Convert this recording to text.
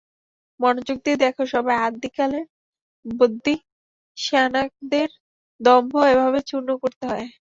মনোযোগ দিয়ে দেখো সবাই, আদ্যিকালের বদ্যি সেয়ানাদের দম্ভ এভাবে চূর্ণ করতে হয়।